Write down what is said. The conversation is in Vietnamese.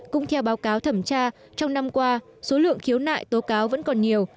cũng theo báo cáo thẩm tra trong năm qua số lượng khiếu nại tố cáo vẫn còn nhiều